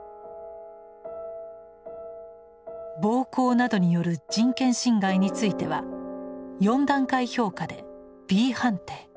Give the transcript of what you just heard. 暴行等による人権侵害については４段階評価でｂ判定。